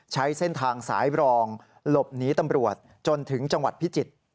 ใช้เส้นทางสายบรองหลบหนีตำรวจจนถึงจังหวัดพิจิตร